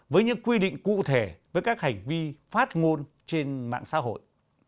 với những quy định cụ thể với các hành vi phát ngôn trên mạng xã hội